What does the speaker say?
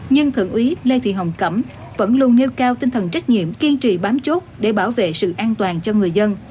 nhưng thượng úy lê thị hồng cẩm vẫn luôn nêu cao tinh thần trách nhiệm kiên trì bám chốt để bảo vệ sự an toàn cho người dân